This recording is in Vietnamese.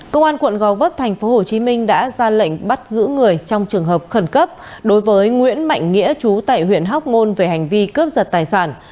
công an quận gò vấp tp hcm đã ra lệnh bắt giữ người trong trường hợp khẩn cấp đối với nguyễn mạnh nghĩa chú tại huyện hóc môn về hành vi cướp giật tài sản